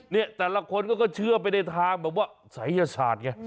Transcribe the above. เนี่ยแต่ละคนก็เชื่อไปในทางแบบว่าศัยยศาสตร์ไง